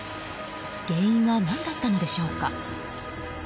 原因は何だったのでしょうか？